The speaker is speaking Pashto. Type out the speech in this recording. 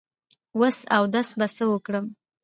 وس اودس په څۀ وکړم